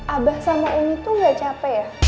abah sama emi tuh gak capek ya